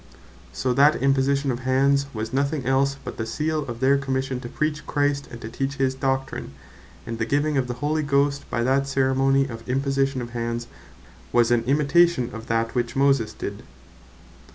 So that Imposition of hands, was nothing else but the Seal of their Commission to Preach Christ, and teach his Doctrine; and the giving of the Holy Ghost by that ceremony of Imposition of hands, was an imitation of that which Moses did.